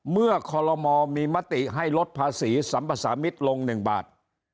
เมื่อคลมมีมติให้ลดภาษีสรรพสามิตรลง๑บาท